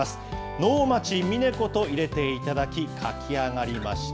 能町みね子と入れていただき、書き上がりました。